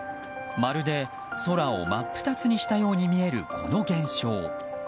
まるで空を真っ二つにしたように見えるこの現象。